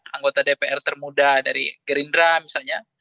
anggota dpr termuda dari gerindra misalnya